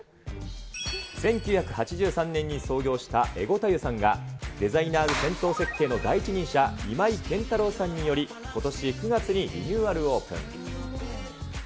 １９８３年に創業したえごた湯さんが、デザイナーズ銭湯設計の第一人者、今井健太郎さんにより、ことし９月にリニューアルオープン。